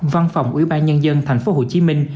văn phòng ủy ban nhân dân thành phố hồ chí minh